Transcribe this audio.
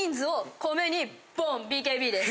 ＢＫＢです！